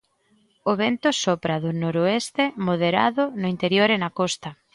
O vento sopra do noroeste moderado no interior e na costa.